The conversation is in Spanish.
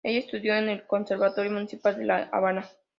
Ella estudió en el Conservatorio Municipal de La Habana.